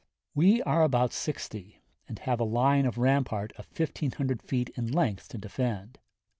We are about sixty, and have a line of rampart of 1500 feet in length to defend.